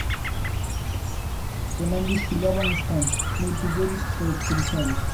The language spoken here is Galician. Tamén desfilaban os cans, moitos deles caracterizados.